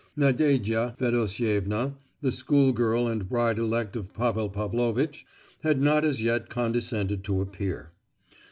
Nadejda Fedosievna, the school girl and bride elect of Pavel Pavlovitch, had not as yet condescended to appear.